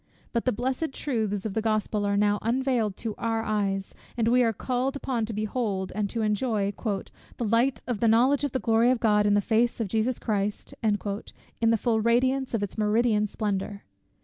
But the blessed truths of the Gospel are now unveiled to our eyes, and we are called upon to behold, and to enjoy "the light of the knowledge of the glory of God, in the face of Jesus Christ," in the full radiance of its meridian splendor.